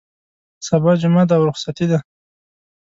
سبا جمعه ده او رخصتي ده.